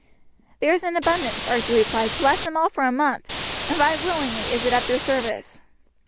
"There is an abundance," Archie replied; "to last them all for a month, and right willingly is it at their service."